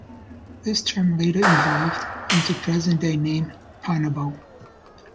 This term later evolved into present day name Panabo.